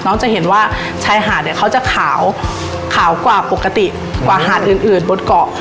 จะเห็นว่าชายหาดเนี่ยเขาจะขาวขาวกว่าปกติกว่าหาดอื่นอื่นบนเกาะ